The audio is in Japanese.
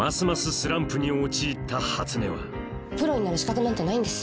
スランプに陥った初音はプロになる資格なんてないんです。